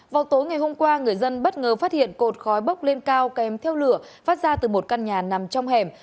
vào tối ngày hôm qua người dân bất ngờ phát hiện cột khói bốc lên cao kèm theo lửa phát ra từ một căn nhà nằm trong hẻm